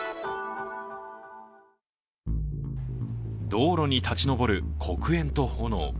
道路に立ち上る黒煙と炎。